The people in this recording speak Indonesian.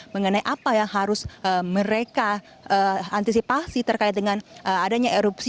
mengenai apa yang harus mereka antisipasi terkait dengan adanya erupsi